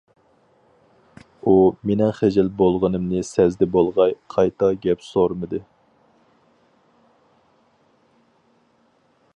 ئۇ مېنىڭ خىجىل بولغىنىمنى سەزدى بولغاي، قايتا گەپ سورىمىدى.